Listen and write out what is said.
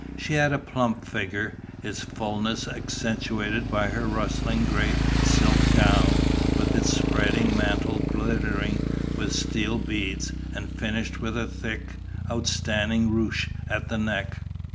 She had a plump figure, its fulness accentuated by her rustling gray silk gown, with its spreading mantle glittering with steel beads, and finished with a thick, outstanding ruche at the neck.